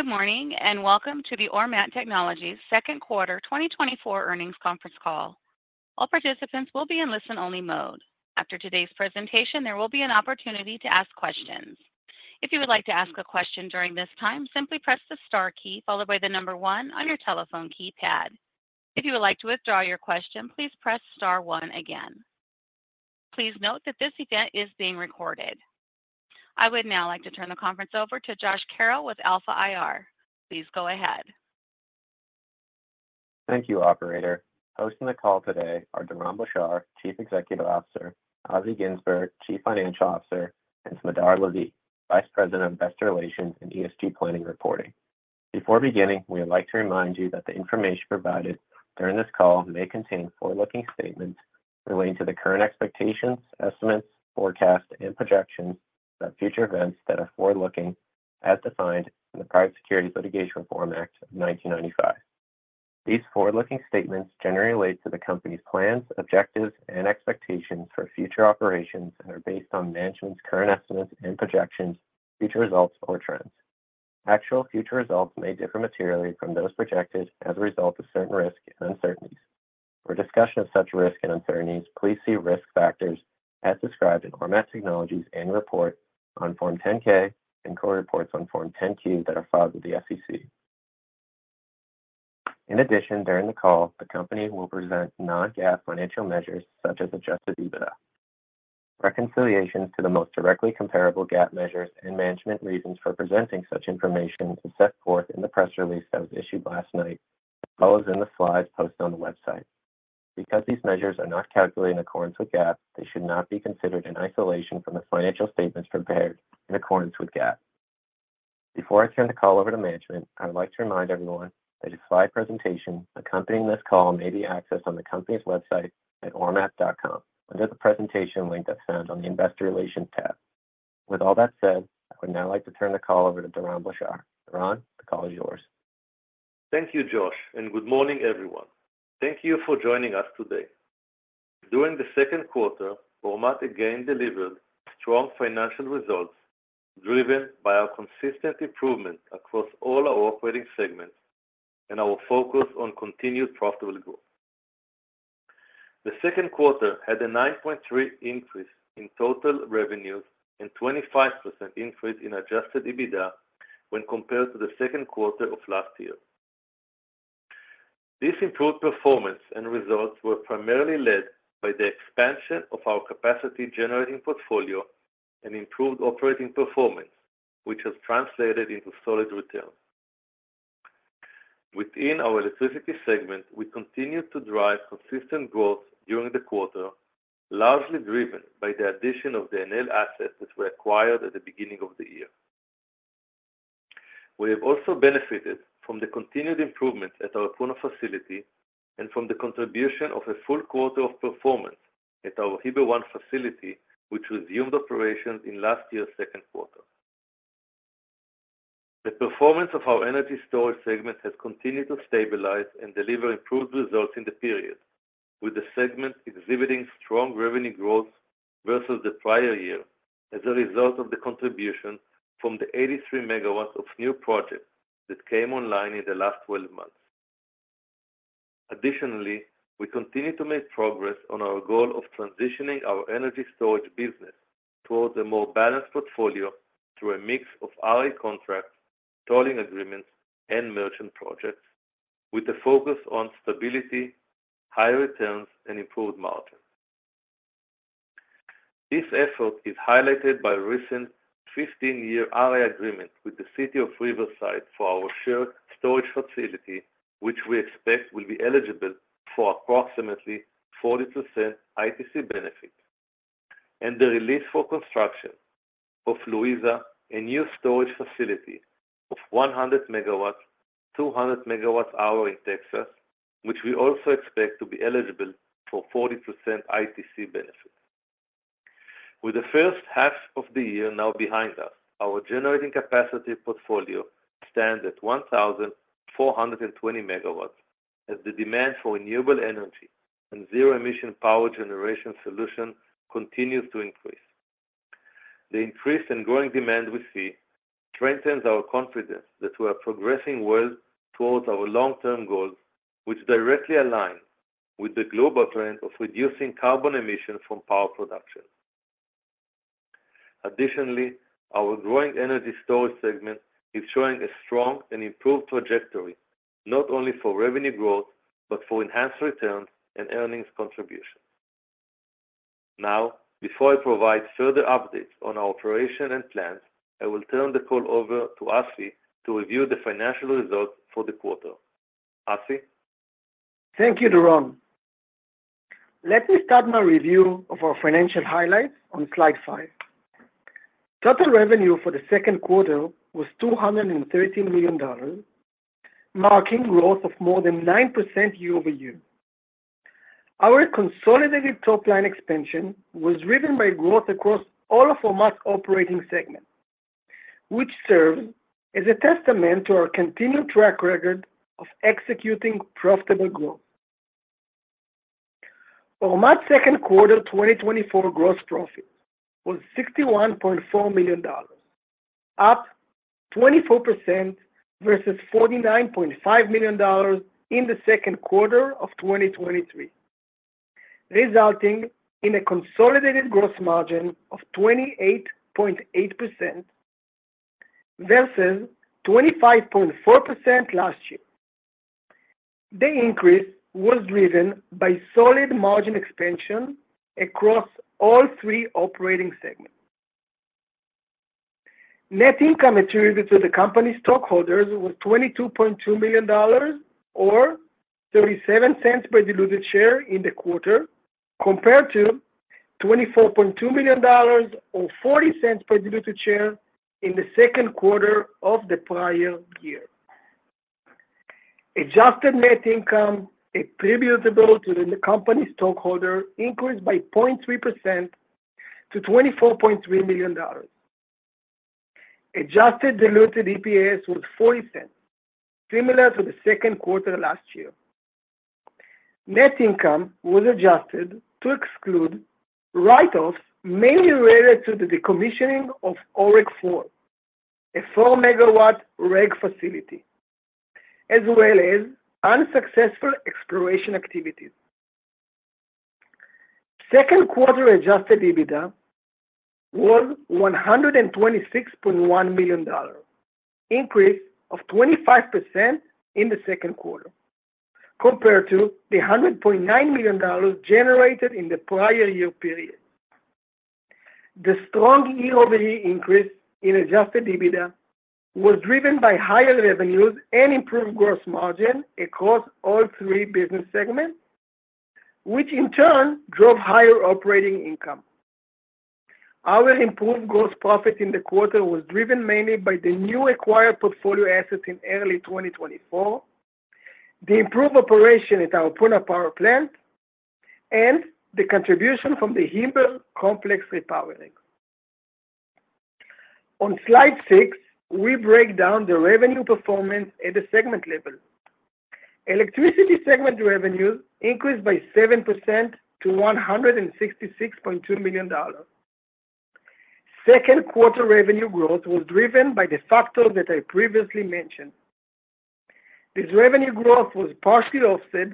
Good morning and welcome to the Ormat Technologies second quarter 2024 earnings conference call. All participants will be in listen-only mode. After today's presentation, there will be an opportunity to ask questions. If you would like to ask a question during this time, simply press the star key followed by the number one on your telephone keypad. If you would like to withdraw your question, please press star one again. Please note that this event is being recorded. I would now like to turn the conference over to Josh Carroll with Alpha IR. Please go ahead. Thank you, Operator. Hosting the call today are Doron Blachar, Chief Executive Officer; Assi Ginzburg, Chief Financial Officer; and Smadar Lavi, Vice President of Investor Relations and ESG Planning and Reporting. Before beginning, we would like to remind you that the information provided during this call may contain forward-looking statements relating to the current expectations, estimates, forecasts, and projections about future events that are forward-looking, as defined in the Private Securities Litigation Reform Act of 1995. These forward-looking statements generally relate to the company's plans, objectives, and expectations for future operations and are based on management's current estimates and projections, future results, or trends. Actual future results may differ materially from those projected as a result of certain risks and uncertainties. For discussion of such risks and uncertainties, please see risk factors as described in Ormat Technologies' annual report on Form 10-K and quarterly reports on Form 10-Q that are filed with the SEC. In addition, during the call, the company will present non-GAAP financial measures such as Adjusted EBITDA. Reconciliations to the most directly comparable GAAP measures and management reasons for presenting such information are set forth in the press release that was issued last night, as well as in the slides posted on the website. Because these measures are not calculated in accordance with GAAP, they should not be considered in isolation from the financial statements prepared in accordance with GAAP. Before I turn the call over to management, I would like to remind everyone that a slide presentation accompanying this call may be accessed on the company's website at ormat.com under the presentation link that's found on the Investor Relations tab. With all that said, I would now like to turn the call over to Doron Blachar. Doron, the call is yours. Thank you, Josh, and good morning, everyone. Thank you for joining us today. During the second quarter, Ormat again delivered strong financial results driven by our consistent improvement across all our operating segments and our focus on continued profitability. The second quarter had a 9.3% increase in total revenues and a 25% increase in Adjusted EBITDA when compared to the second quarter of last year. This improved performance and results were primarily led by the expansion of our capacity-generating portfolio and improved operating performance, which has translated into solid returns. Within our electricity segment, we continued to drive consistent growth during the quarter, largely driven by the addition of the Enel assets that were acquired at the beginning of the year. We have also benefited from the continued improvements at our Puna facility and from the contribution of a full quarter of performance at our Heber 1 facility, which resumed operations in last year's second quarter. The performance of our energy storage segment has continued to stabilize and deliver improved results in the period, with the segment exhibiting strong revenue growth versus the prior year as a result of the contribution from the 83 MW of new projects that came online in the last 12 months. Additionally, we continue to make progress on our goal of transitioning our energy storage business towards a more balanced portfolio through a mix of RA contracts, tolling agreements, and merchant projects, with a focus on stability, high returns, and improved margins. This effort is highlighted by a recent 15-year RA agreement with the City of Riverside for our Shady storage facility, which we expect will be eligible for approximately 40% ITC benefits, and the release for construction of Louisa, a new storage facility of 100 MW, 200 MWh in Texas, which we also expect to be eligible for 40% ITC benefits. With the first half of the year now behind us, our generating capacity portfolio stands at 1,420 MW as the demand for renewable energy and zero-emission power generation solutions continues to increase. The increased and growing demand we see strengthens our confidence that we are progressing well towards our long-term goals, which directly align with the global trend of reducing carbon emissions from power production. Additionally, our growing energy storage segment is showing a strong and improved trajectory not only for revenue growth but for enhanced returns and earnings contributions. Now, before I provide further updates on our operation and plans, I will turn the call over to Assi to review the financial results for the quarter. Assi? Thank you, Doron. Let me start my review of our financial highlights on slide five. Total revenue for the second quarter was $213 million, marking growth of more than 9% year-over-year. Our consolidated top-line expansion was driven by growth across all of Ormat's operating segments, which serves as a testament to our continued track record of executing profitable growth. Ormat's second quarter 2024 gross profit was $61.4 million, up 24% versus $49.5 million in the second quarter of 2023, resulting in a consolidated gross margin of 28.8% versus 25.4% last year. The increase was driven by solid margin expansion across all three operating segments. Net income attributed to the company's stockholders was $22.2 million, or $0.37 per diluted share in the quarter, compared to $24.2 million, or $0.40 per diluted share in the second quarter of the prior year. Adjusted net income attributable to the company's stockholders increased by 0.3% to $24.3 million. Adjusted diluted EPS was $0.40, similar to the second quarter last year. Net income was adjusted to exclude write-offs mainly related to the decommissioning of OREG 4, a 4-MW REG facility, as well as unsuccessful exploration activities. Second quarter adjusted EBITDA was $126.1 million, an increase of 25% in the second quarter, compared to the $100.9 million generated in the prior year period. The strong year-over-year increase in adjusted EBITDA was driven by higher revenues and improved gross margin across all three business segments, which in turn drove higher operating income. Our improved gross profit in the quarter was driven mainly by the new acquired portfolio assets in early 2024, the improved operation at our Puna power plant, and the contribution from the Heber Complex repowering. On slide six, we break down the revenue performance at the segment level. Electricity segment revenues increased by 7% to $166.2 million. Second quarter revenue growth was driven by the factors that I previously mentioned. This revenue growth was partially offset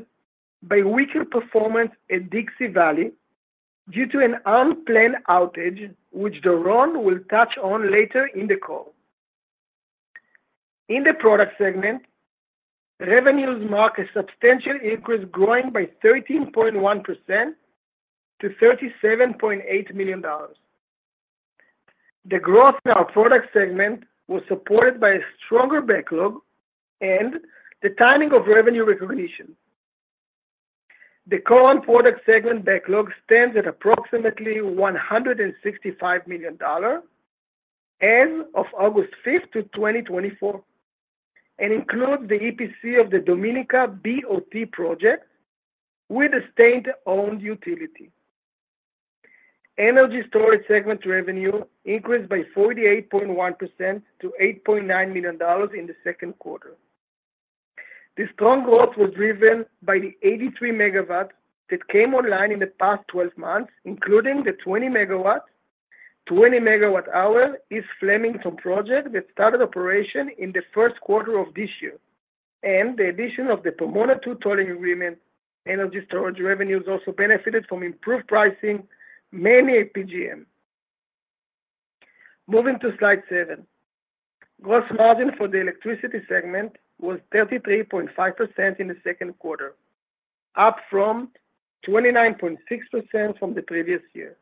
by weaker performance at Dixie Valley due to an unplanned outage, which Doron will touch on later in the call. In the product segment, revenues marked a substantial increase, growing by 13.1% to $37.8 million. The growth in our product segment was supported by a stronger backlog and the timing of revenue recognition. The current product segment backlog stands at approximately $165 million as of August 5th, 2024, and includes the EPC of the Dominica BOT project with a state-owned utility. Energy storage segment revenue increased by 48.1% to $8.9 million in the second quarter. The strong growth was driven by the 83 MW that came online in the past 12 months, including the 20 MW/20 MWh East Flemington project that started operation in the first quarter of this year. The addition of the Pomona 2 tolling agreement, energy storage revenues also benefited from improved pricing mainly at PJM. Moving to slide seven, gross margin for the electricity segment was 33.5% in the second quarter, up from 29.6% from the previous year.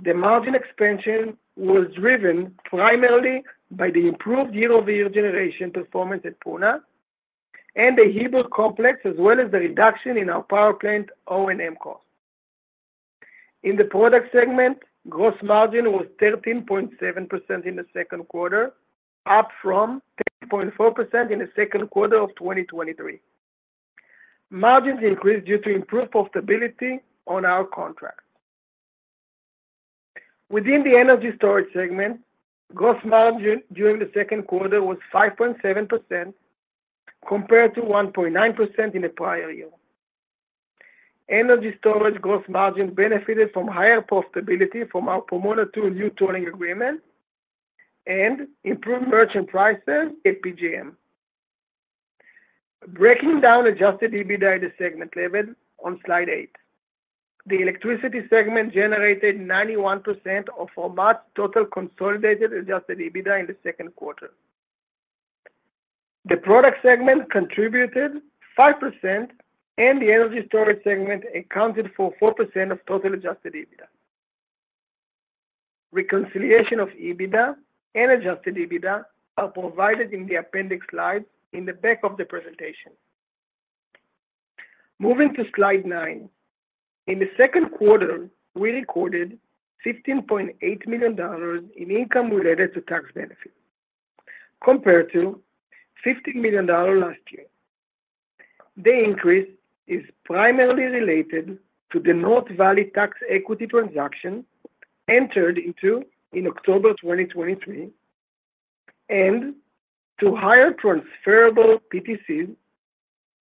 The margin expansion was driven primarily by the improved year-over-year generation performance at Puna and the Heber Complex, as well as the reduction in our power plant O&M costs. In the product segment, gross margin was 13.7% in the second quarter, up from 10.4% in the second quarter of 2023. Margins increased due to improved profitability on our contracts. Within the energy storage segment, gross margin during the second quarter was 5.7% compared to 1.9% in the prior year. Energy storage gross margin benefited from higher profitability from our Pomona 2 new tolling agreement and improved merchant prices at PJM. Breaking down adjusted EBITDA at the segment level on slide eight, the electricity segment generated 91% of Ormat's total consolidated adjusted EBITDA in the second quarter. The product segment contributed 5%, and the energy storage segment accounted for 4% of total adjusted EBITDA. Reconciliation of EBITDA and adjusted EBITDA are provided in the appendix slides in the back of the presentation. Moving to slide nine, in the second quarter, we recorded $15.8 million in income related to tax benefits compared to $15 million last year. The increase is primarily related to the North Valley tax equity transaction entered into in October 2023 and to higher transferable PTCs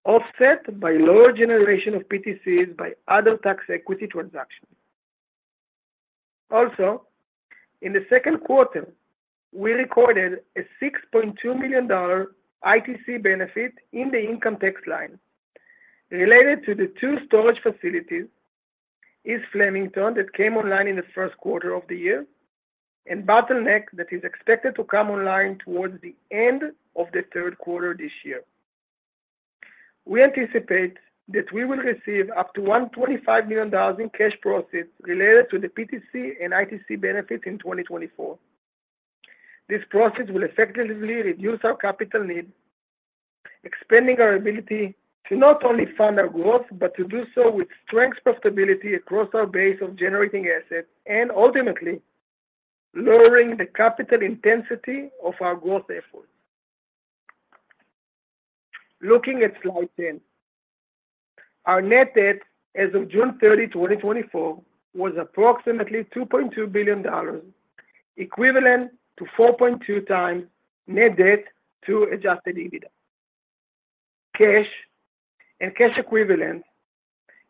offset by lower generation of PTCs by other tax equity transactions. Also, in the second quarter, we recorded a $6.2 million ITC benefit in the income tax line related to the two storage facilities, East Flemington that came online in the first quarter of the year, and Bottleneck that is expected to come online towards the end of the third quarter this year. We anticipate that we will receive up to $125 million in cash profits related to the PTC and ITC benefits in 2024. This profit will effectively reduce our capital need, expanding our ability to not only fund our growth, but to do so with strong profitability across our base of generating assets and ultimately lowering the capital intensity of our growth efforts. Looking at slide 10, our net debt as of June 30, 2024, was approximately $2.2 billion, equivalent to 4.2x net debt to Adjusted EBITDA. Cash and cash equivalents,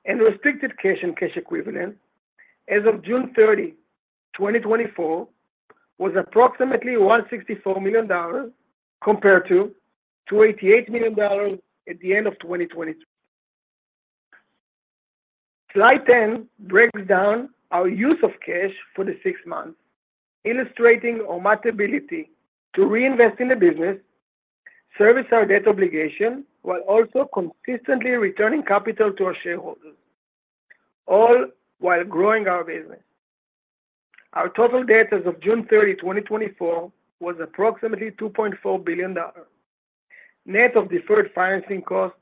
and restricted cash and cash equivalents as of June 30, 2024, was approximately $164 million compared to $288 million at the end of 2023. Slide 10 breaks down our use of cash for the six months, illustrating Ormat's ability to reinvest in the business, service our debt obligation, while also consistently returning capital to our shareholders, all while growing our business. Our total debt as of June 30, 2024, was approximately $2.4 billion. Net of deferred financing costs,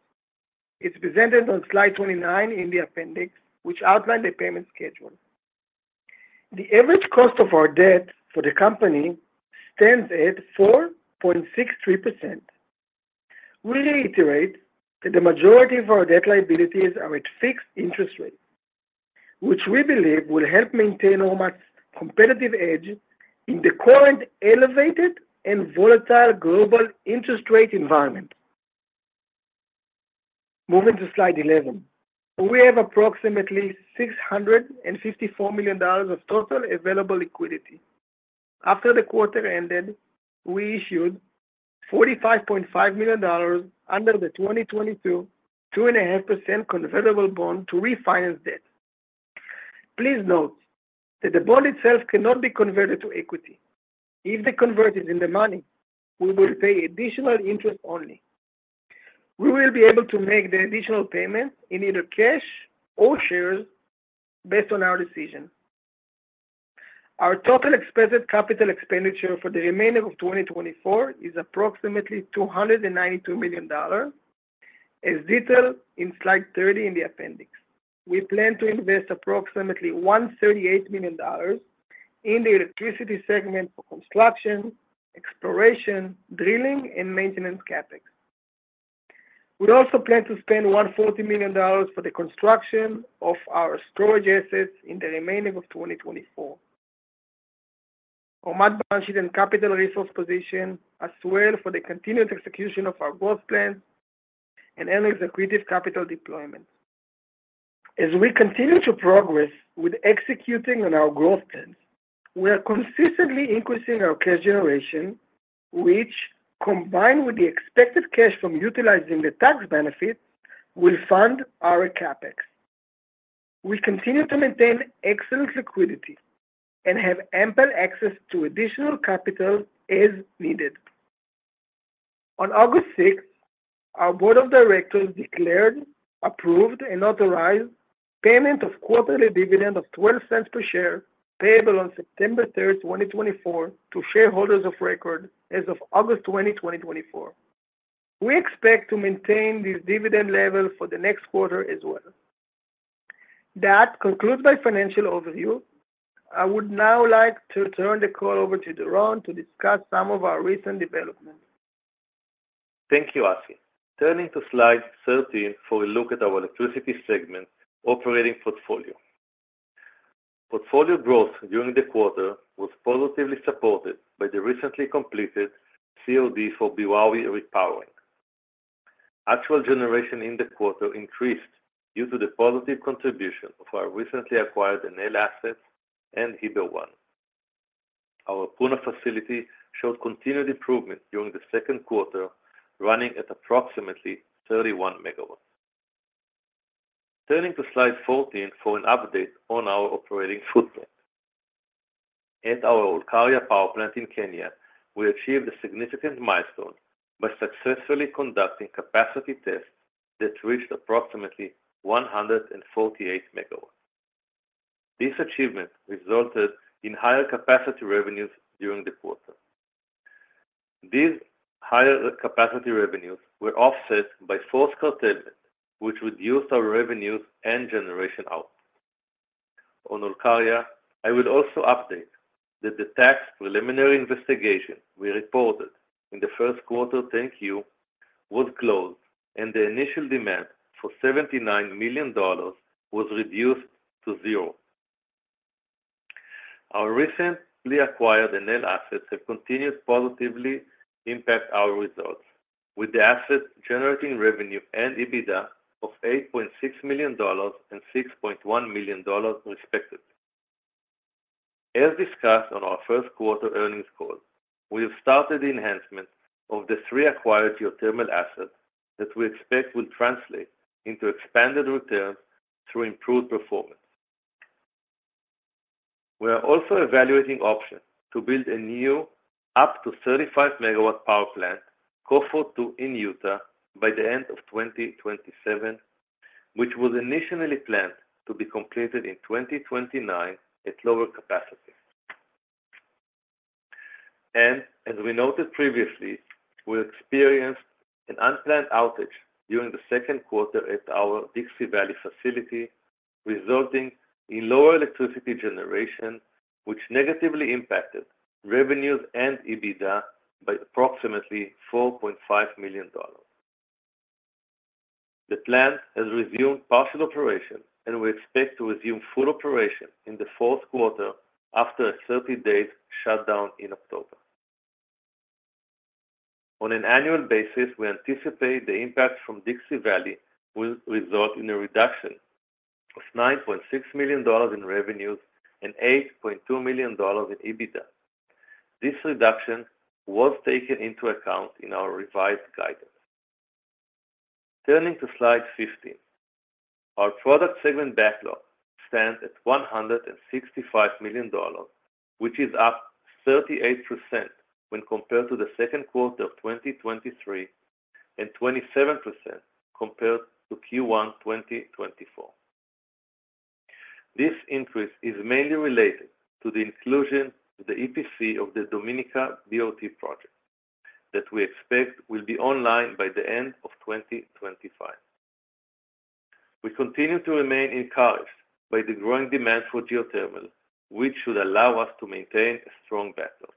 it's presented on slide 29 in the appendix, which outlined the payment schedule. The average cost of our debt for the company stands at 4.63%. We reiterate that the majority of our debt liabilities are at fixed interest rates, which we believe will help maintain Ormat's competitive edge in the current elevated and volatile global interest rate environment. Moving to slide 11, we have approximately $654 million of total available liquidity. After the quarter ended, we issued $45.5 million under the 2022 2.5% convertible bond to refinance debt. Please note that the bond itself cannot be converted to equity. If the convert is in the money, we will pay additional interest only. We will be able to make the additional payments in either cash or shares based on our decision. Our total expected capital expenditure for the remainder of 2024 is approximately $292 million, as detailed in slide 30 in the appendix. We plan to invest approximately $138 million in the electricity segment for construction, exploration, drilling, and maintenance CapEx. We also plan to spend $140 million for the construction of our storage assets in the remainder of 2024. Ormat remains in a capital resource position as well for the continued execution of our growth plans and effective capital deployment. As we continue to progress with executing on our growth plans, we are consistently increasing our cash generation, which, combined with the expected cash from utilizing the tax benefits, will fund our CapEx. We continue to maintain excellent liquidity and have ample access to additional capital as needed. On August 6th, our Board of Directors declared, approved, and authorized payment of a quarterly dividend of $0.12 per share payable on September 3rd, 2024, to shareholders of record as of August 20, 2024. We expect to maintain this dividend level for the next quarter as well. That concludes my financial overview. I would now like to turn the call over to Doron to discuss some of our recent developments. Thank you, Assi. Turning to slide 13 for a look at our electricity segment operating portfolio. Portfolio growth during the quarter was positively supported by the recently completed COD for Heber 2 repowering. Actual generation in the quarter increased due to the positive contribution of our recently acquired Enel assets and Heber 1. Our Puna facility showed continued improvement during the second quarter, running at approximately 31 MW. Turning to slide 14 for an update on our operating footprint. At our Olkaria power plant in Kenya, we achieved a significant milestone by successfully conducting capacity tests that reached approximately 148 MW. This achievement resulted in higher capacity revenues during the quarter. These higher capacity revenues were offset by force curtailment, which reduced our revenues and generation output. On Olkaria, I will also update that the tax preliminary investigation we reported in the first quarter 10-Q was closed, and the initial demand for $79 million was reduced to zero. Our recently acquired Enel assets have continued positively impact our results, with the asset generating revenue and EBITDA of $8.6 million and $6.1 million respectively. As discussed on our first quarter earnings call, we have started the enhancement of the three acquired geothermal assets that we expect will translate into expanded returns through improved performance. We are also evaluating options to build a new up to 35 MW power plant, Cove Fort 2 in Utah, by the end of 2027, which was initially planned to be completed in 2029 at lower capacity. As we noted previously, we experienced an unplanned outage during the second quarter at our Dixie Valley facility, resulting in lower electricity generation, which negatively impacted revenues and EBITDA by approximately $4.5 million. The plant has resumed partial operation, and we expect to resume full operation in the fourth quarter after a 30-day shutdown in October. On an annual basis, we anticipate the impact from Dixie Valley will result in a reduction of $9.6 million in revenues and $8.2 million in EBITDA. This reduction was taken into account in our revised guidance. Turning to slide 15, our product segment backlog stands at $165 million, which is up 38% when compared to the second quarter of 2023 and 27% compared to Q1 2024. This increase is mainly related to the inclusion of the EPC of the Dominica BOT project that we expect will be online by the end of 2025. We continue to remain encouraged by the growing demand for geothermal, which should allow us to maintain a strong backlog.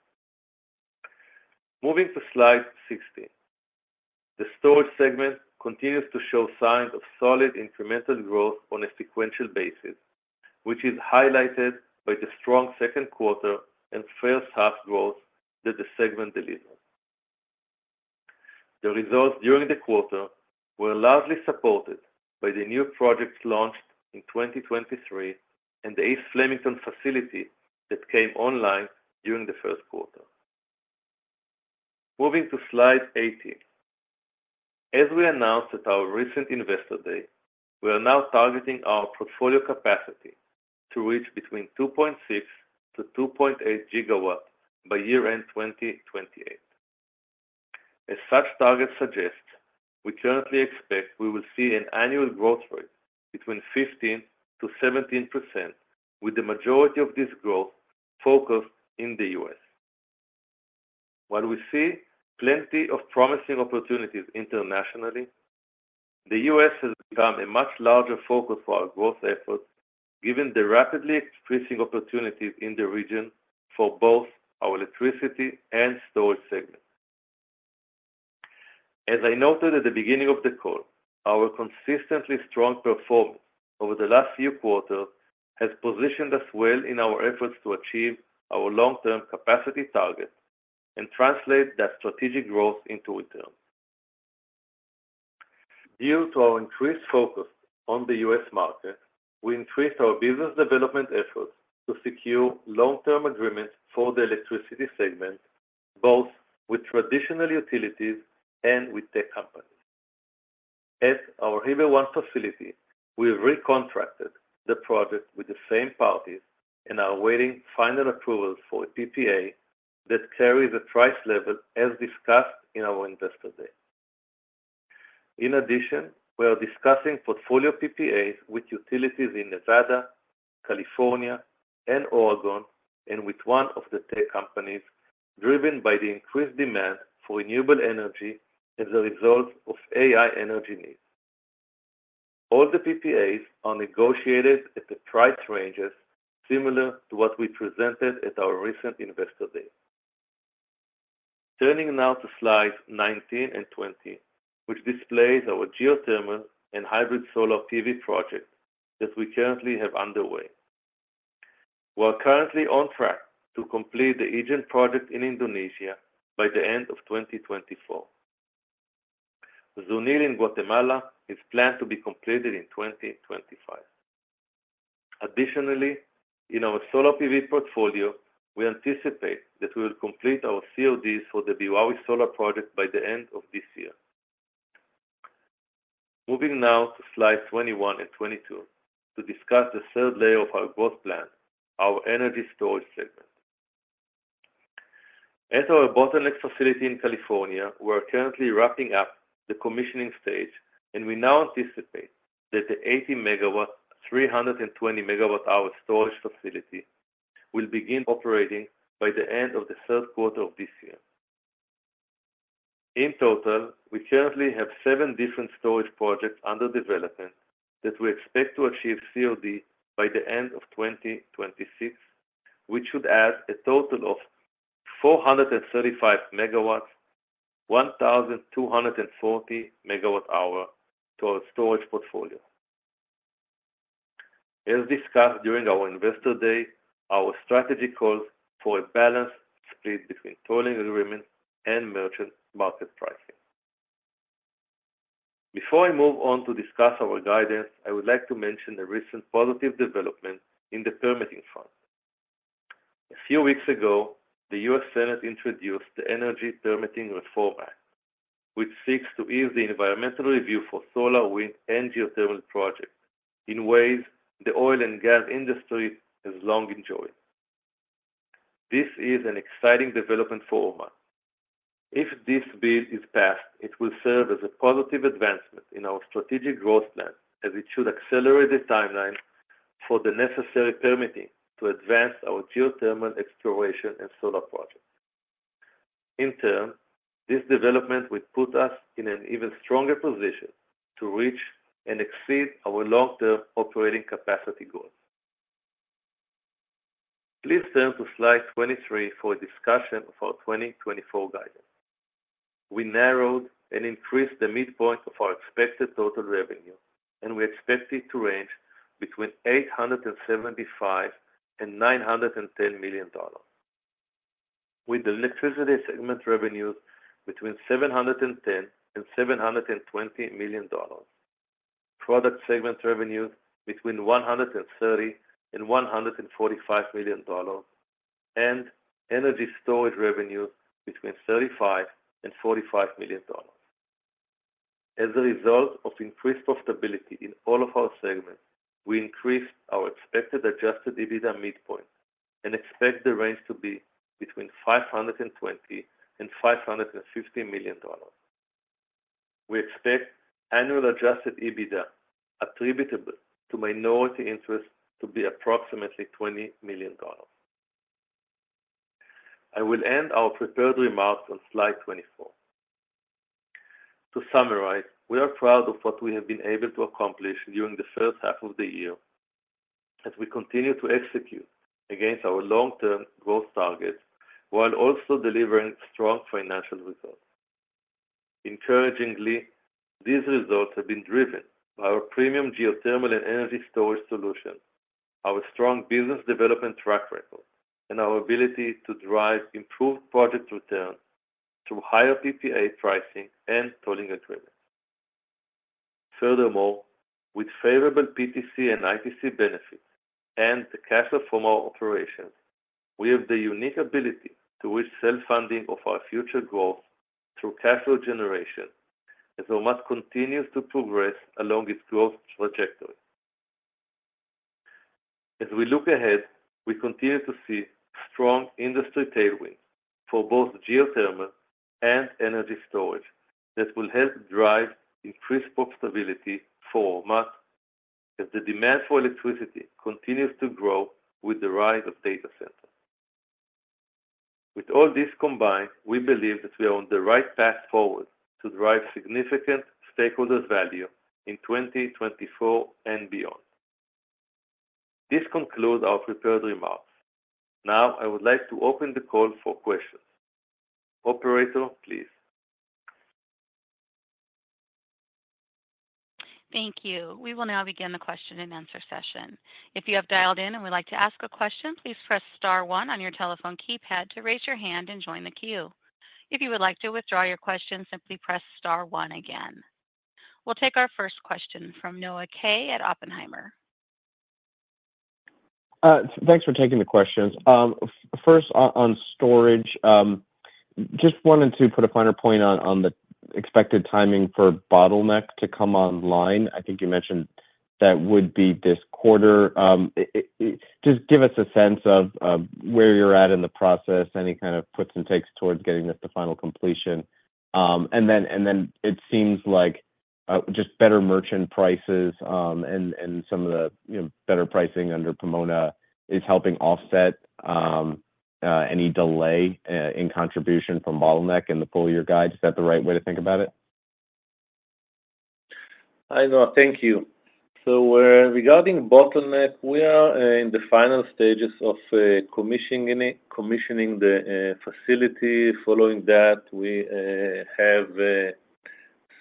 Moving to slide 16, the storage segment continues to show signs of solid incremental growth on a sequential basis, which is highlighted by the strong second quarter and first half growth that the segment delivers. The results during the quarter were largely supported by the new projects launched in 2023 and the East Flemington facility that came online during the first quarter. Moving to slide 18, as we announced at our recent investor day, we are now targeting our portfolio capacity to reach between 2.6 GW-2.8 GW by year-end 2028. As such targets suggest, we currently expect we will see an annual growth rate between 15%-17%, with the majority of this growth focused in the U.S. While we see plenty of promising opportunities internationally, the U.S. has become a much larger focus for our growth efforts, given the rapidly increasing opportunities in the region for both our electricity and storage segments. As I noted at the beginning of the call, our consistently strong performance over the last few quarters has positioned us well in our efforts to achieve our long-term capacity target and translate that strategic growth into return. Due to our increased focus on the U.S. market, we increased our business development efforts to secure long-term agreements for the electricity segment, both with traditional utilities and with tech companies. At our Heber 1 facility, we've recontracted the project with the same parties and are awaiting final approvals for a PPA that carries a price level as discussed in our Investor Day. In addition, we are discussing portfolio PPAs with utilities in Nevada, California, and Oregon, and with one of the tech companies, driven by the increased demand for renewable energy as a result of AI energy needs. All the PPAs are negotiated at the price ranges similar to what we presented at our recent investor day. Turning now to slides 19 and 20, which displays our geothermal and hybrid solar PV project that we currently have underway. We are currently on track to complete the Ijen project in Indonesia by the end of 2024. Zunil in Guatemala is planned to be completed in 2025. Additionally, in our solar PV portfolio, we anticipate that we will complete our CODs for the Beowawe solar project by the end of this year. Moving now to slides 21 and 22 to discuss the third layer of our growth plan, our energy storage segment. At our Bottleneck facility in California, we are currently wrapping up the commissioning stage, and we now anticipate that the 80 MW, 320 MWh storage facility will begin operating by the end of the third quarter of this year. In total, we currently have seven different storage projects under development that we expect to achieve COD by the end of 2026, which should add a total of 435 MW, 1,240 MWh to our storage portfolio. As discussed during our investor day, our strategy calls for a balanced split between tolling agreements and merchant market pricing. Before I move on to discuss our guidance, I would like to mention a recent positive development in the permitting front. A few weeks ago, the U.S. Senate introduced the Energy Permitting Reform Act, which seeks to ease the environmental review for solar, wind, and geothermal projects in ways the oil and gas industry has long enjoyed. This is an exciting development for Ormat. If this bill is passed, it will serve as a positive advancement in our strategic growth plan, as it should accelerate the timeline for the necessary permitting to advance our geothermal exploration and solar projects. In turn, this development would put us in an even stronger position to reach and exceed our long-term operating capacity goals. Please turn to slide 23 for a discussion of our 2024 guidance. We narrowed and increased the midpoint of our expected total revenue, and we expect it to range between $875 million-$910 million, with the electricity segment revenues between $710 million-$720 million, product segment revenues between $130 million-$145 million, and energy storage revenues between $35 million-$45 million. As a result of increased profitability in all of our segments, we increased our expected Adjusted EBITDA midpoint and expect the range to be between $520 million-$550 million. We expect annual Adjusted EBITDA attributable to minority interest to be approximately $20 million. I will end our prepared remarks on slide 24. To summarize, we are proud of what we have been able to accomplish during the first half of the year as we continue to execute against our long-term growth targets while also delivering strong financial results. Encouragingly, these results have been driven by our premium geothermal and energy storage solutions, our strong business development track record, and our ability to drive improved project returns through higher PPA pricing and tolling agreements. Furthermore, with favorable PTC and ITC benefits and the cash flow from our operations, we have the unique ability to reach self-funding of our future growth through cash flow generation as Ormat continues to progress along its growth trajectory. As we look ahead, we continue to see strong industry tailwinds for both geothermal and energy storage that will help drive increased profitability for Ormat as the demand for electricity continues to grow with the rise of data centers. With all this combined, we believe that we are on the right path forward to drive significant stakeholder value in 2024 and beyond. This concludes our prepared remarks. Now, I would like to open the call for questions. Operator, please. Thank you. We will now begin the question and answer session. If you have dialed in and would like to ask a question, please press star one on your telephone keypad to raise your hand and join the queue. If you would like to withdraw your question, simply press star one again. We'll take our first question from Noah Kaye at Oppenheimer. Thanks for taking the questions. First on storage, just wanted to put a finer point on the expected timing for Bottleneck to come online. I think you mentioned that would be this quarter. Just give us a sense of where you're at in the process, any kind of puts and takes towards getting this to final completion. And then it seems like just better merchant prices and some of the better pricing under Pomona is helping offset any delay in contribution from Bottleneck in the full year guide. Is that the right way to think about it? I know. Thank you. So regarding Bottleneck, we are in the final stages of commissioning the facility. Following that, we have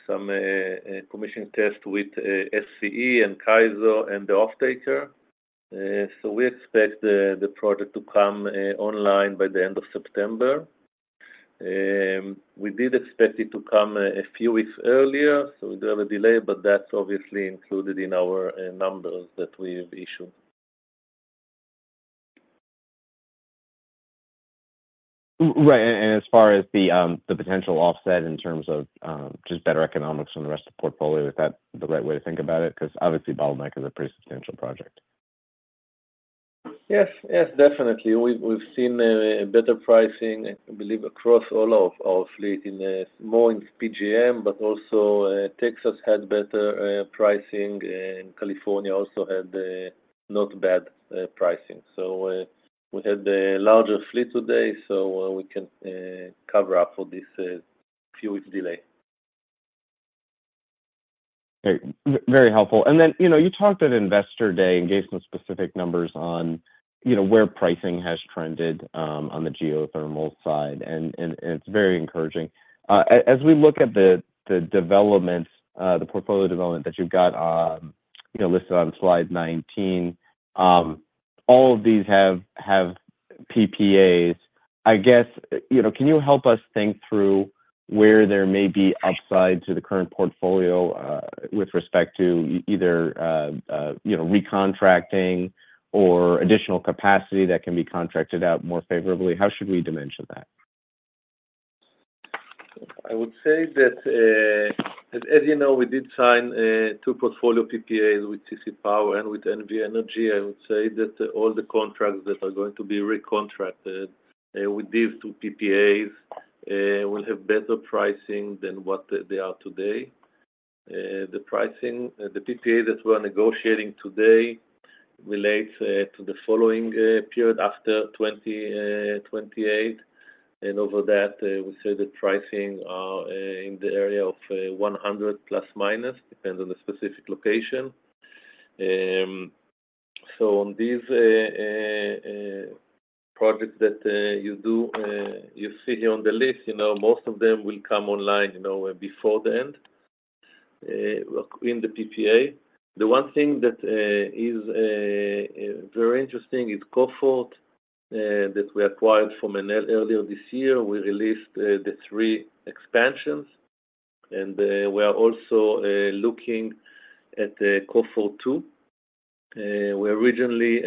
some commissioning tests with SCE and CAISO and the off-taker. So we expect the project to come online by the end of September. We did expect it to come a few weeks earlier, so we do have a delay, but that's obviously included in our numbers that we've issued. Right. And as far as the potential offset in terms of just better economics on the rest of the portfolio, is that the right way to think about it? Because obviously, Bottleneck is a pretty substantial project. Yes, yes, definitely. We've seen better pricing, I believe, across all of our fleet, more in PJM, but also Texas had better pricing, and California also had not bad pricing. So we had a larger fleet today, so we can cover up for this few weeks' delay. Very helpful. And then you talked at investor day and gave some specific numbers on where pricing has trended on the geothermal side, and it's very encouraging. As we look at the portfolio development that you've got listed on slide 19, all of these have PPAs. I guess, can you help us think through where there may be upside to the current portfolio with respect to either recontracting or additional capacity that can be contracted out more favorably? How should we dimension that? I would say that, as you know, we did sign two portfolio PPAs with CC Power and with NV Energy. I would say that all the contracts that are going to be recontracted with these two PPAs will have better pricing than what they are today. The PPA that we are negotiating today relates to the following period after 2028. And over that, we say that pricing is in the area of $100 ±, depending on the specific location. So on these projects that you see here on the list, most of them will come online before the end in the PPA. The one thing that is very interesting is Cove Fort that we acquired from Enel earlier this year. We released the three expansions, and we are also looking at Cove Fort 2. We originally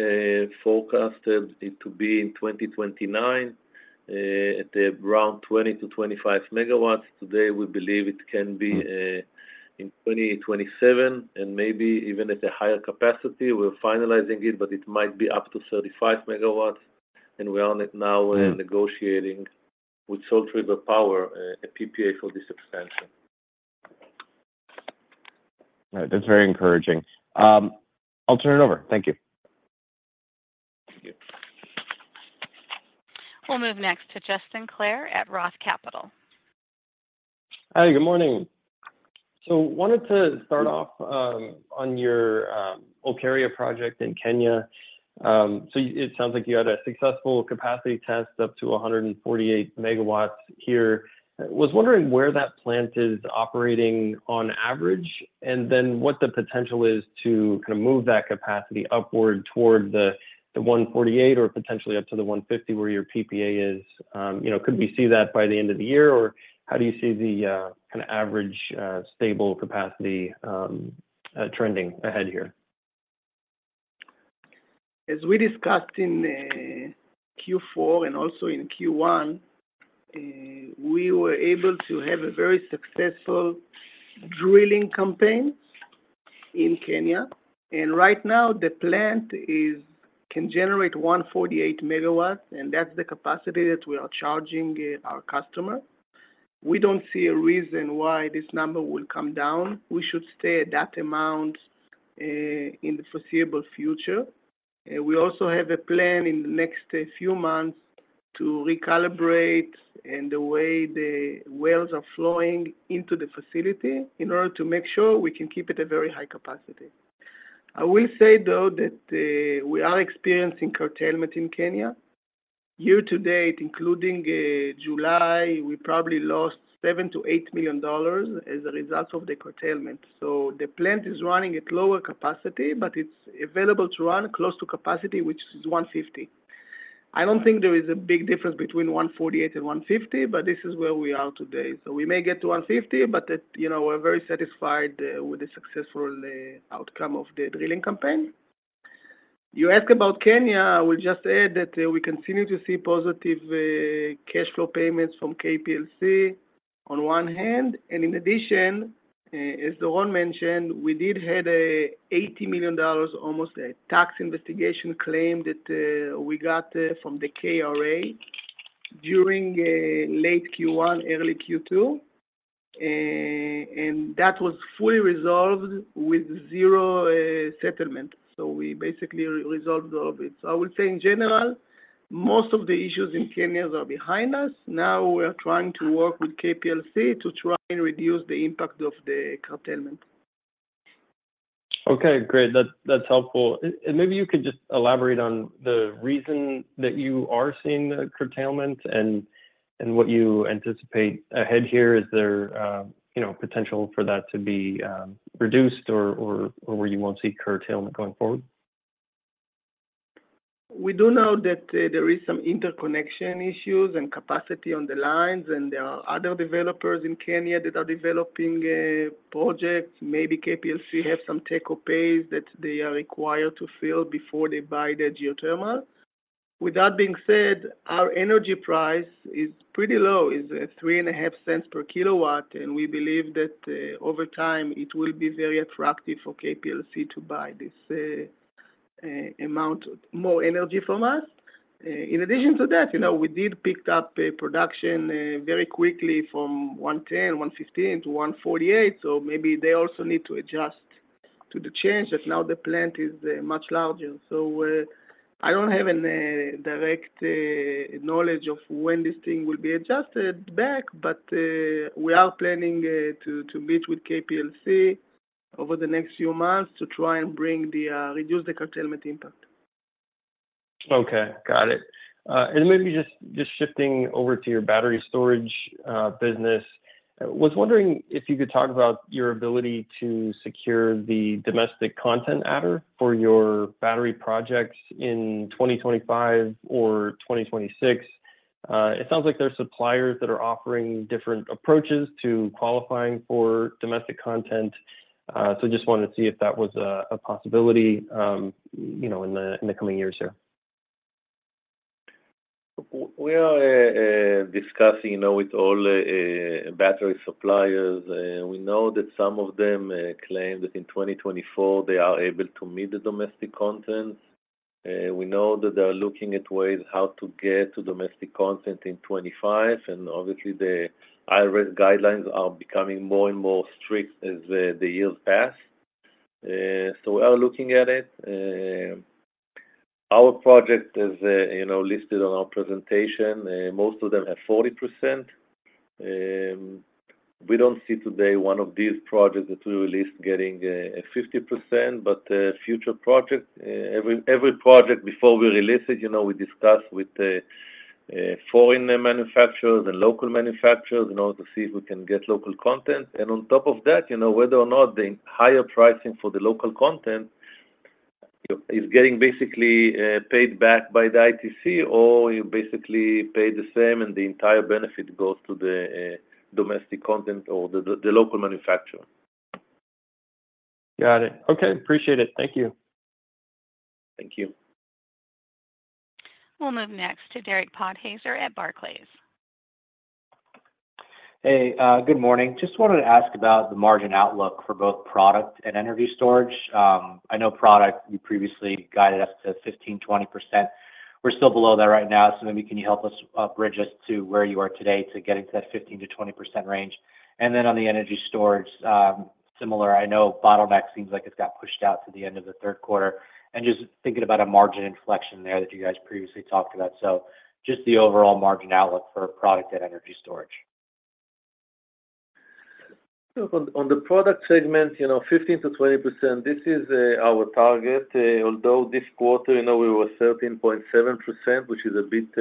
forecasted it to be in 2029 at around 20 MW-25 MW. Today, we believe it can be in 2027 and maybe even at a higher capacity. We're finalizing it, but it might be up to 35 MW. We are now negotiating with Salt River Project a PPA for this expansion. That's very encouraging. I'll turn it over. Thank you. Thank you. We'll move next to Justin Clare at Roth Capital. Hi, good morning. I wanted to start off on your Olkaria project in Kenya. It sounds like you had a successful capacity test up to 148 MW here. I was wondering where that plant is operating on average and then what the potential is to kind of move that capacity upward toward the 148 or potentially up to the 150 where your PPA is. Could we see that by the end of the year, or how do you see the kind of average stable capacity trending ahead here? As we discussed in Q4 and also in Q1, we were able to have a very successful drilling campaign in Kenya. Right now, the plant can generate 148 MW, and that's the capacity that we are charging our customers. We don't see a reason why this number will come down. We should stay at that amount in the foreseeable future. We also have a plan in the next few months to recalibrate the way the wells are flowing into the facility in order to make sure we can keep it at a very high capacity. I will say, though, that we are experiencing curtailment in Kenya. Year to date, including July, we probably lost $7 million-$8 million as a result of the curtailment. The plant is running at lower capacity, but it's available to run close to capacity, which is 150. I don't think there is a big difference between 148 and 150, but this is where we are today. So we may get to 150, but we're very satisfied with the successful outcome of the drilling campaign. You ask about Kenya. I will just add that we continue to see positive cash flow payments from KPLC on one hand. And in addition, as Doron mentioned, we did have an $80 million, almost a tax investigation claim that we got from the KRA during late Q1, early Q2. And that was fully resolved with zero settlement. So we basically resolved all of it. So I will say, in general, most of the issues in Kenya are behind us. Now we are trying to work with KPLC to try and reduce the impact of the curtailment. Okay, great. That's helpful. Maybe you could just elaborate on the reason that you are seeing the curtailment and what you anticipate ahead here. Is there potential for that to be reduced or where you won't see curtailment going forward? We do know that there are some interconnection issues and capacity on the lines, and there are other developers in Kenya that are developing projects. Maybe KPLC has some take-up pays that they are required to fill before they buy the geothermal. With that being said, our energy price is pretty low, is $0.035 per kilowatt, and we believe that over time it will be very attractive for KPLC to buy this amount more energy from us. In addition to that, we did pick up production very quickly from 110, 115 to 148. So maybe they also need to adjust to the change that now the plant is much larger. So I don't have any direct knowledge of when this thing will be adjusted back, but we are planning to meet with KPLC over the next few months to try and reduce the curtailment impact. Okay, got it. And maybe just shifting over to your battery storage business, I was wondering if you could talk about your ability to secure the domestic content adder for your battery projects in 2025 or 2026. It sounds like there are suppliers that are offering different approaches to qualifying for domestic content. So I just wanted to see if that was a possibility in the coming years here. We are discussing with all battery suppliers. We know that some of them claim that in 2024 they are able to meet the domestic content. We know that they are looking at ways how to get to domestic content in 2025. Obviously, the IRS guidelines are becoming more and more strict as the years pass. So we are looking at it. Our project is listed on our presentation. Most of them have 40%. We don't see today one of these projects that we released getting 50%, but future projects. Every project before we release it, we discuss with foreign manufacturers and local manufacturers in order to see if we can get local content. And on top of that, whether or not the higher pricing for the local content is getting basically paid back by the ITC or you basically pay the same and the entire benefit goes to the domestic content or the local manufacturer. Got it. Okay, appreciate it. Thank you. Thank you. We'll move next to Derek Podhaizer at Barclays. Hey, good morning. Just wanted to ask about the margin outlook for both product and energy storage. I know product you previously guided us to 15%-20%. We're still below that right now. So maybe can you help us bridge us to where you are today to get into that 15%-20% range? And then on the energy storage, similar, I know Bottleneck seems like it's got pushed out to the end of the third quarter. And just thinking about a margin inflection there that you guys previously talked about. So just the overall margin outlook for product and energy storage. On the product segment, 15%-20%, this is our target. Although this quarter, we were 13.7%, which is a bit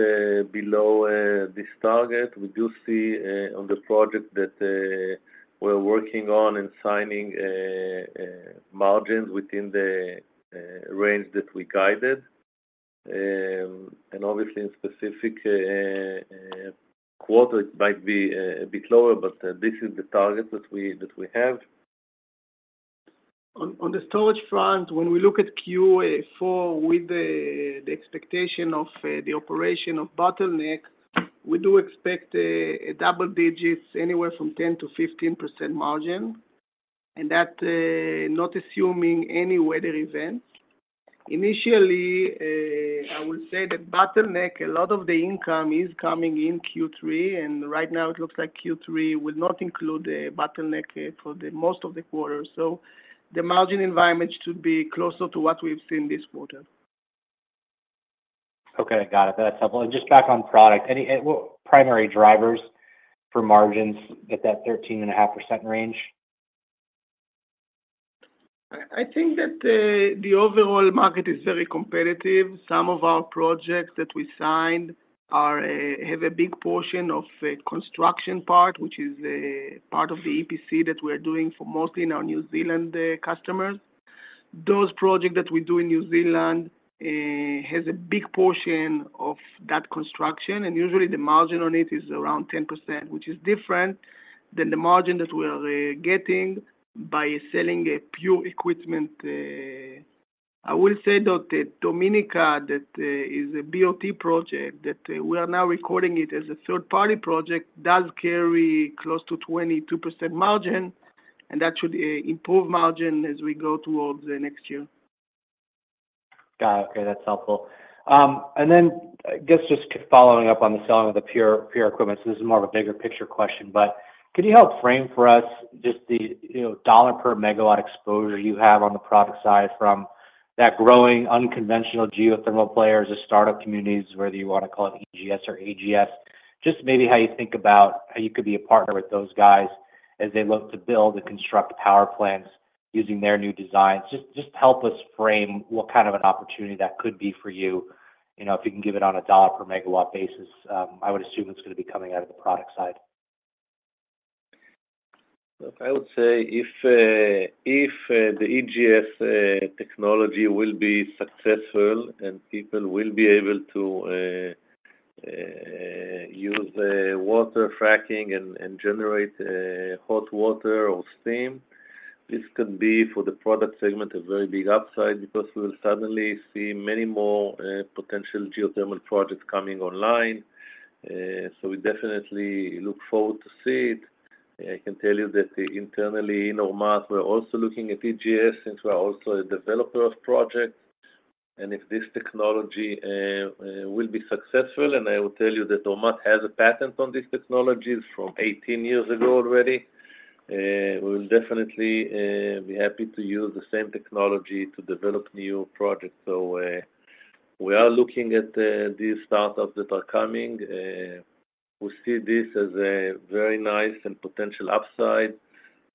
below this target. We do see on the project that we're working on and signing margins within the range that we guided. Obviously, in specific quarter, it might be a bit lower, but this is the target that we have. On the storage front, when we look at Q4 with the expectation of the operation of Bottleneck, we do expect double digits, anywhere from 10%-15% margin, and that not assuming any weather events. Initially, I will say that Bottleneck, a lot of the income is coming in Q3, and right now it looks like Q3 will not include Bottleneck for most of the quarter. So the margin environment should be closer to what we've seen this quarter. Okay, got it. That's helpful. Just back on product, any primary drivers for margins at that 13.5% range? I think that the overall market is very competitive. Some of our projects that we signed have a big portion of construction part, which is part of the EPC that we are doing for mostly our New Zealand customers. Those projects that we do in New Zealand have a big portion of that construction, and usually the margin on it is around 10%, which is different than the margin that we are getting by selling pure equipment. I will say that Dominica, that is a BOT project that we are now recording as a third-party project, does carry close to 22% margin, and that should improve margin as we go towards the next year. Got it. Okay, that's helpful. I guess just following up on the selling of the pure equipment, so this is more of a bigger picture question, but can you help frame for us just the dollar per megawatt exposure you have on the product side from that growing unconventional geothermal players or startup communities, whether you want to call it EGS or AGS, just maybe how you think about how you could be a partner with those guys as they look to build and construct power plants using their new designs? Just help us frame what kind of an opportunity that could be for you if you can give it on a dollar per megawatt basis. I would assume it's going to be coming out of the product side. I would say if the EGS technology will be successful and people will be able to use water fracking and generate hot water or steam, this could be for the product segment a very big upside because we will suddenly see many more potential geothermal projects coming online. So we definitely look forward to seeing it. I can tell you that internally in Ormat, we're also looking at EGS since we're also a developer of projects. And if this technology will be successful, and I will tell you that Ormat has a patent on this technology from 18 years ago already, we will definitely be happy to use the same technology to develop new projects. So we are looking at these startups that are coming. We see this as a very nice and potential upside.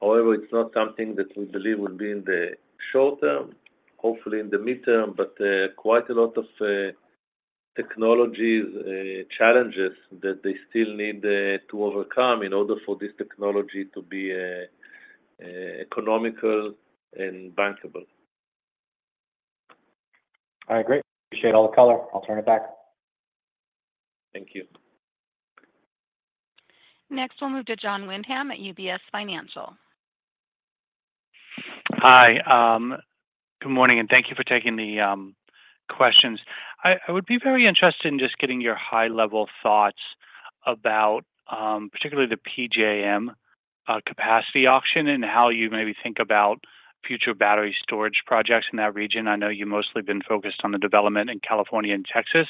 However, it's not something that we believe will be in the short term, hopefully in the midterm, but quite a lot of technology challenges that they still need to overcome in order for this technology to be economical and bankable. All right, great. Appreciate all the color. I'll turn it back. Thank you. Next, we'll move to Jon Windham at UBS Financial. Hi. Good morning, and thank you for taking the questions. I would be very interested in just getting your high-level thoughts about particularly the PJM capacity auction and how you maybe think about future battery storage projects in that region. I know you've mostly been focused on the development in California and Texas,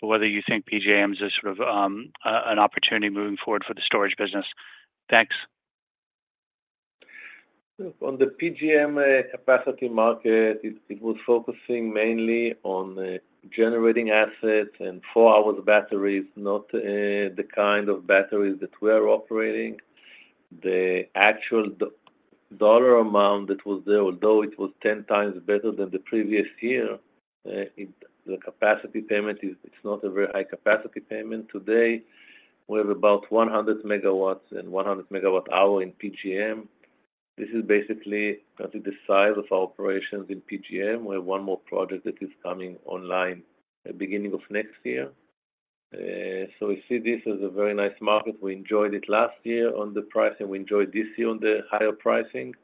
but whether you think PJM is sort of an opportunity moving forward for the storage business. Thanks. On the PJM capacity market, it was focusing mainly on generating assets and four-hour batteries, not the kind of batteries that we are operating. The actual dollar amount that was there, although it was 10 times better than the previous year, the capacity payment, it's not a very high capacity payment today. We have about 100 MW and 100 megawatt-hour in PJM. This is basically the size of our operations in PJM. We have one more project that is coming online at the beginning of next year. So we see this as a very nice market. We enjoyed it last year on the price, and we enjoyed this year on the higher pricing.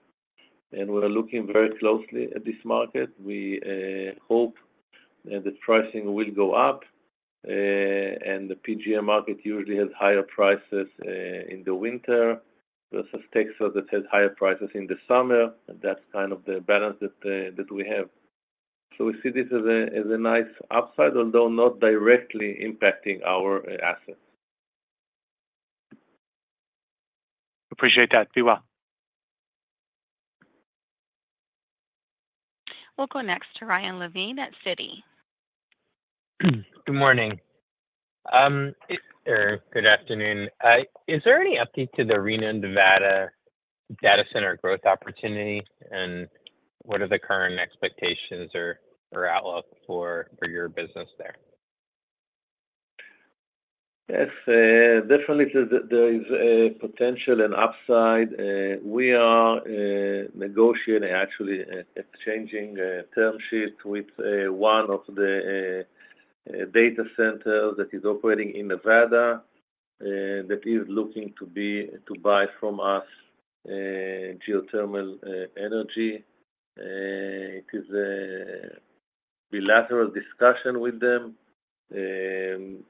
And we're looking very closely at this market. We hope that pricing will go up, and the PJM market usually has higher prices in the winter versus Texas that has higher prices in the summer. That's kind of the balance that we have. So we see this as a nice upside, although not directly impacting our assets. Appreciate that. Be well. We'll go next to Ryan Levine at Citi. Good morning. Good afternoon. Is there any update to the Reno, Nevada data center growth opportunity, and what are the current expectations or outlook for your business there? Definitely, there is potential and upside. We are negotiating, actually exchanging term sheets with one of the data centers that is operating in Nevada that is looking to buy from us geothermal energy. It is a bilateral discussion with them, and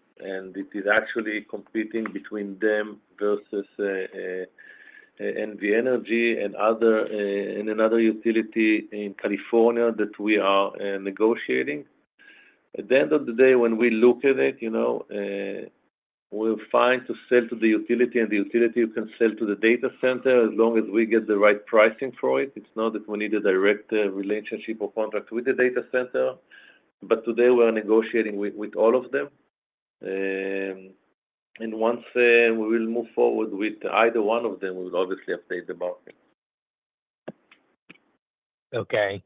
it is actually competing between them versus NV Energy and another utility in California that we are negotiating. At the end of the day, when we look at it, we'll find to sell to the utility, and the utility can sell to the data center as long as we get the right pricing for it. It's not that we need a direct relationship or contract with the data center, but today we are negotiating with all of them. And once we will move forward with either one of them, we will obviously update the market. Okay.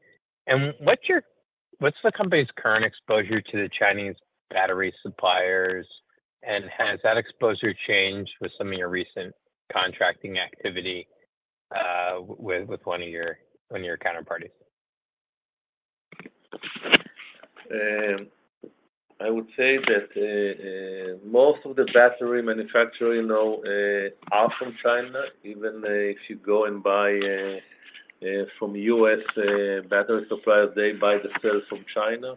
And what's the company's current exposure to the Chinese battery suppliers, and has that exposure changed with some of your recent contracting activity with one of your counterparties? I would say that most of the battery manufacturers are from China. Even if you go and buy from US battery suppliers, they buy the cells from China.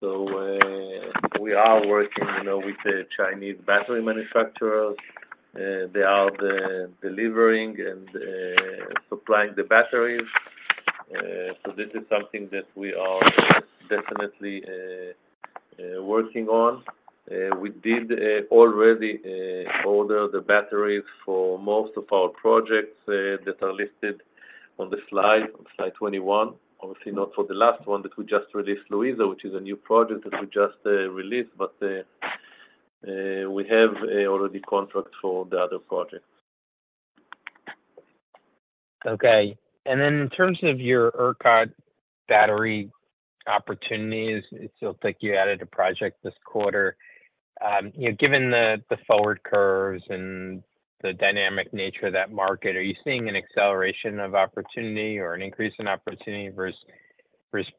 So we are working with the Chinese battery manufacturers. They are delivering and supplying the batteries. So this is something that we are definitely working on. We did already order the batteries for most of our projects that are listed on the slide, slide 21. Obviously, not for the last one that we just released, Louisa, which is a new project that we just released, but we have already contracts for the other projects. Okay. And then in terms of your ERCOT battery opportunities, it looks like you added a project this quarter. Given the forward curves and the dynamic nature of that market, are you seeing an acceleration of opportunity or an increase in opportunity versus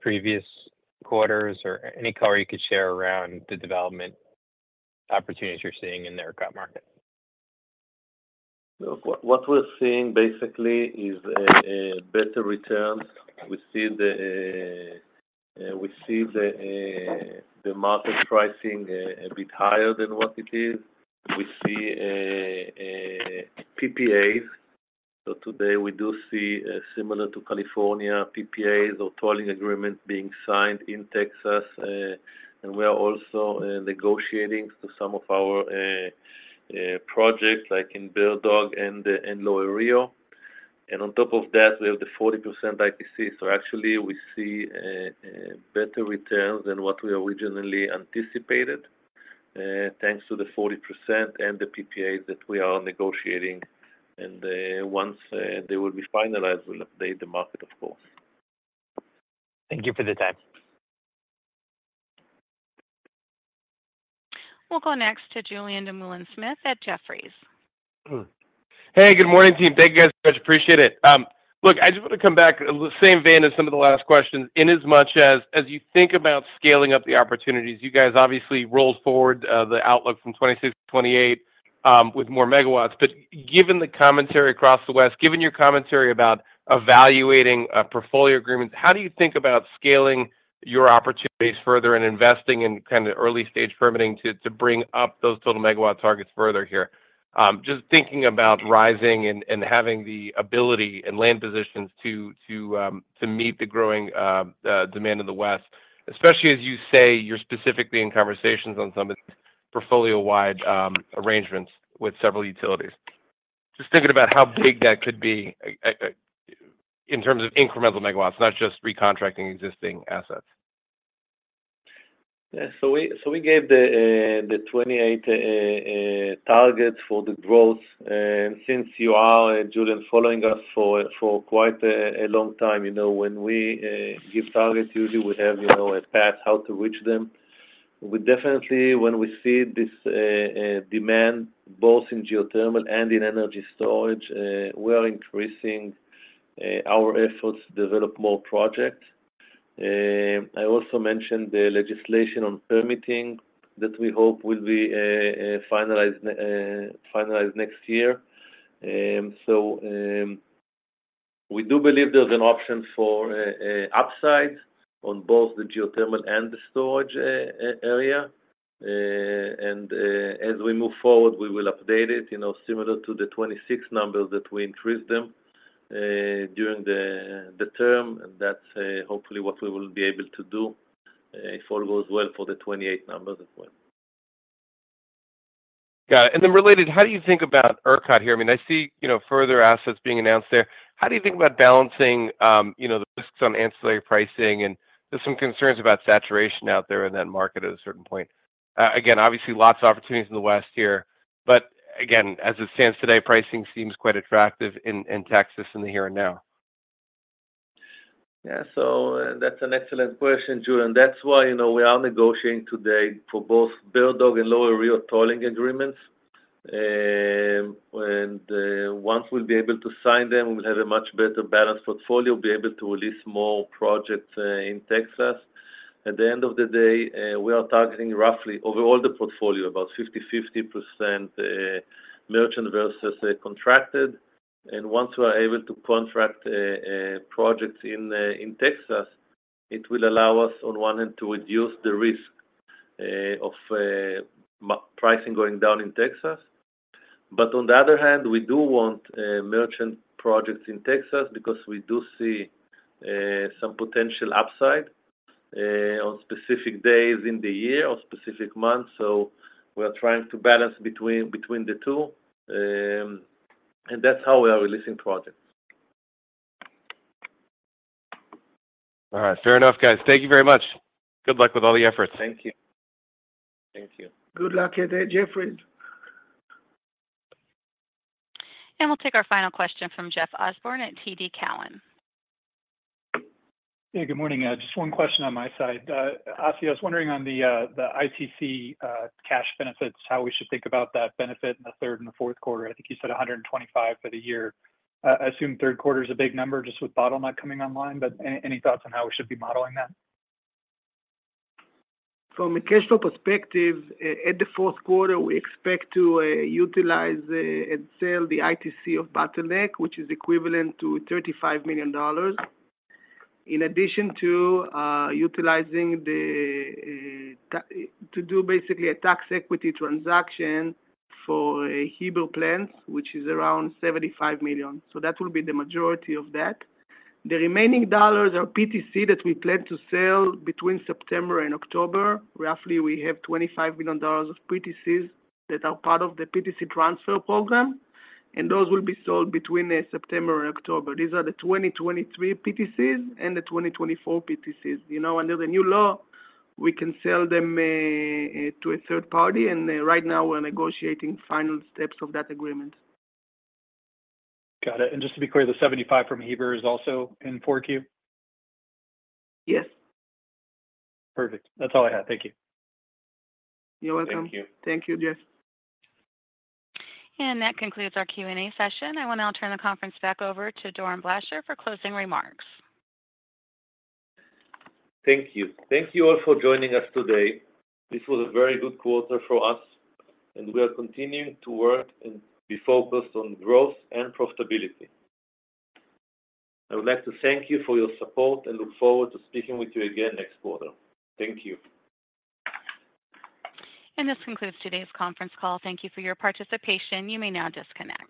previous quarters, or any color you could share around the development opportunities you're seeing in the ERCOT market? What we're seeing basically is better returns. We see the market pricing a bit higher than what it is. We see PPAs. Today we do see similar to California PPAs or tolling agreements being signed in Texas. We are also negotiating to some of our projects like in Bird Dog and Lower Rio. On top of that, we have the 40% ITC. Actually, we see better returns than what we originally anticipated thanks to the 40% and the PPAs that we are negotiating. Once they will be finalized, we'll update the market, of course. Thank you for the time. We'll go next to Julien Dumoulin-Smith at Jefferies. Hey, good morning, team. Thank you guys so much. Appreciate it. Look, I just want to come back, same vein as some of the last questions, in as much as you think about scaling up the opportunities. You guys obviously rolled forward the outlook from 2026 to 2028 with more MW. But given the commentary across the West, given your commentary about evaluating portfolio agreements, how do you think about scaling your opportunities further and investing in kind of early-stage permitting to bring up those total megawatt targets further here? Just thinking about rising and having the ability and land positions to meet the growing demand in the West, especially as you say you're specifically in conversations on some of these portfolio-wide arrangements with several utilities. Just thinking about how big that could be in terms of incremental MW, not just recontracting existing assets. So we gave the 28 targets for the growth. And since you are, Julien, following us for quite a long time, when we give targets, usually we have a path how to reach them. Definitely, when we see this demand, both in geothermal and in energy storage, we are increasing our efforts to develop more projects. I also mentioned the legislation on permitting that we hope will be finalized next year. So we do believe there's an option for upside on both the geothermal and the storage area. And as we move forward, we will update it similar to the 2026 numbers that we increased them during the term. That's hopefully what we will be able to do if all goes well for the 2028 numbers as well. Got it. And then related, how do you think about ERCOT here? I mean, I see further assets being announced there. How do you think about balancing the risks on ancillary pricing? And there's some concerns about saturation out there in that market at a certain point. Again, obviously, lots of opportunities in the West here. But again, as it stands today, pricing seems quite attractive in Texas in the here and now. Yeah. So that's an excellent question, Julien. That's why we are negotiating today for both Bird Dog and Lower Rio tolling agreements. And once we'll be able to sign them, we'll have a much better balanced portfolio, be able to release more projects in Texas. At the end of the day, we are targeting roughly overall the portfolio, about 50/50% merchant versus contracted. And once we are able to contract projects in Texas, it will allow us, on one hand, to reduce the risk of pricing going down in Texas. But on the other hand, we do want merchant projects in Texas because we do see some potential upside on specific days in the year or specific months. So we're trying to balance between the two. And that's how we are releasing projects. All right. Fair enough, guys. Thank you very much. Good luck with all the efforts. Thank you. Thank you. Good luck at Jefferies. And we'll take our final question from Jeff Osborne at TD Cowen. Hey, good morning. Just one question on my side. Assi, I was wondering on the ITC cash benefits, how we should think about that benefit in the third and the fourth quarter. I think you said 125 for the year. I assume third quarter is a big number just with Bottleneck coming online, but any thoughts on how we should be modeling that? From a cash flow perspective, at the fourth quarter, we expect to utilize and sell the ITC of Bottleneck, which is equivalent to $35 million, in addition to utilizing the to do basically a tax equity transaction for Heber plants, which is around $75 million. So that will be the majority of that. The remaining dollars are PTC that we plan to sell between September and October. Roughly, we have $25 million of PTCs that are part of the PTC transfer program, and those will be sold between September and October. These are the 2023 PTCs and the 2024 PTCs. Under the new law, we can sell them to a third party, and right now we're negotiating final steps of that agreement. Got it. And just to be clear, the $75 from Heber is also in 4Q? Yes. Perfect. That's all I have. Thank you. You're welcome. Thank you. Thank you, Jeff. And that concludes our Q&A session. I want to turn the conference back over to Doron Blachar for closing remarks. Thank you. Thank you all for joining us today. This was a very good quarter for us, and we are continuing to work and be focused on growth and profitability. I would like to thank you for your support and look forward to speaking with you again next quarter. Thank you. And this concludes today's conference call. Thank you for your participation. You may now disconnect.